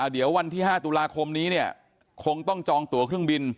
เดี๋ยววันที่๕ตุลาคมนี้เนี่ยคงต้องจองตัวเครื่องบิน